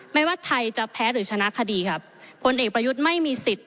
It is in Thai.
ไม่ว่าไทยจะแพ้หรือชนะคดีครับพลเอกประยุทธ์ไม่มีสิทธิ์